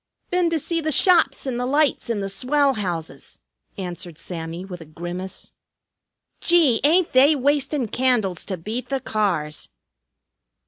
"Been to see the shops and the lights in the swell houses," answered Sammy with a grimace. "Gee! Ain't they wastin' candles to beat the cars!"